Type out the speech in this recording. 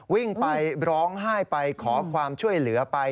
วิ่งไปร้องไห้ไปขอความช่วยเหลือไป